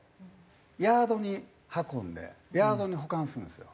ヤードに運んでヤードに保管するんですよ。